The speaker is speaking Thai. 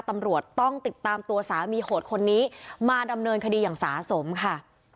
ตำรวจต้องติดตามตัวสามีโหดคนนี้มาดำเนินคดีอย่างสาสมค่ะ